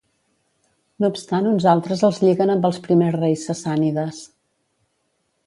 No obstant uns altres els lliguen amb els primers reis sassànides.